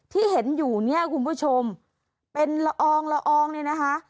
ที่เห็นอยู่เนี่ยคุณผู้ชมเป็นละอองละอองเนี่ยนะคะ